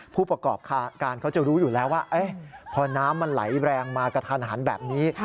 ผู้ประกอบการเขาจะรู้อยู่แล้วว่าพอน้ำมันไหลแรงมากระทันหันแบบนี้